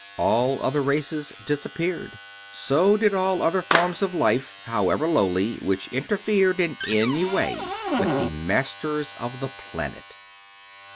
All other races disappeared. So did all other forms of life, however lowly, which interfered in any way with the Masters of the Planet.